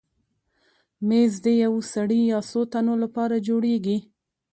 مېز د یو سړي یا څو تنو لپاره جوړېږي.